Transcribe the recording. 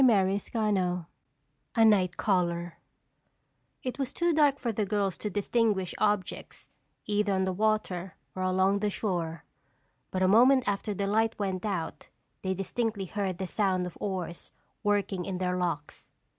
CHAPTER VIII A Night Caller It was too dark for the girls to distinguish objects either on the water or along the shore, but a moment after the light went out they distinctly heard the sound of oars working in their locks.